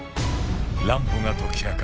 乱歩が解き明かす